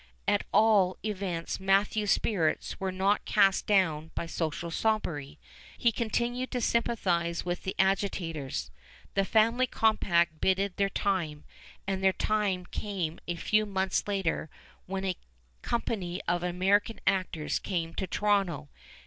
At all events Matthews' spirits were not cast down by social snobbery. He continued to sympathize with the agitators. The "family compact" bided their time, and their time came a few months later, when a company of American actors came to Toronto.